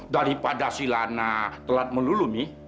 daripada si lana telat melulu mi